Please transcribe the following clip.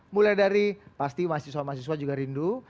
mulai dari pasti mahasiswa mahasiswa juga rindu